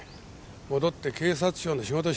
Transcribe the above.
戻って警察庁の仕事しろ。